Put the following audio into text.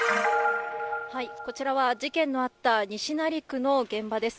こちらは事件のあった西成区の現場です。